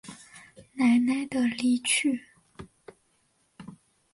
奶奶的离去